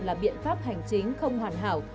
là biện pháp hành chính không hoàn hảo